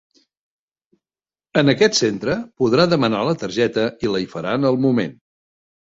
En aquest centre podrà demanar la targeta i la hi faran al moment.